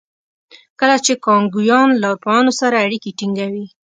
کله چې کانګویان له اروپایانو سره اړیکې ټینګوي.